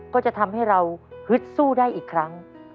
ก็จะทำให้เราฮึดสู้ได้อีกครั้ง